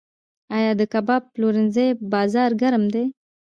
آیا د کباب پلورنځیو بازار ګرم دی؟